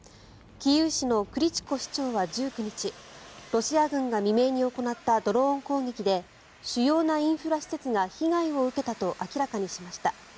キーウ市のクリチコ市長は１９日ロシア軍が未明に行ったドローン攻撃で主要なインフラ施設が被害を受けたと明らかにしました。